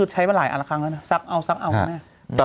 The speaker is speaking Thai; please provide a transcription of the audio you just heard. ซับเอาซับเอา